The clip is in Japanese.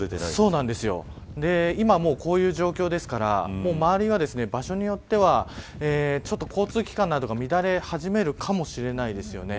今、こういう状況ですから場所によっては交通機関などが乱れ始めるかもしれないですね。